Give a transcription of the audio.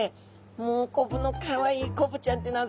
もうコブのかわいいコブちゃんって名付けて。